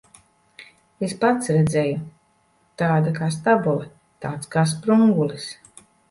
Es pats redzēju. Tāda kā stabule, tāds kā sprungulis.